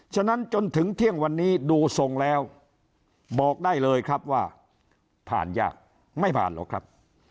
ฉะนั้นจนถึงเที่ยงวันนี้ดูทรงแล้วบอกได้เลยครับว่าผ่านยากไม่ผ่านหรอกครับ